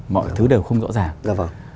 mọi thứ đều không rõ ràng